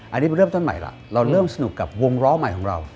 อันนี้มันเริ่มต้นใหม่ล่ะเราเริ่มสนุกกับวงล้อใหม่ของเรา